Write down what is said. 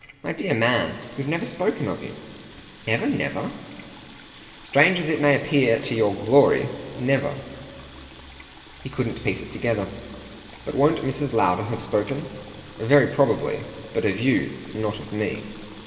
My dear man, we've never spoken of you." "Never, never?" "Strange as it may appear to your glory never." He couldn't piece it together. "But won't Mrs. Lowder have spoken?" "Very probably. But of YOU. Not of me."